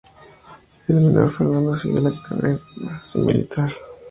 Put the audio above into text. El menor, Fernando, siguió la carrera militar.